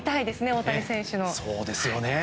大谷選手の。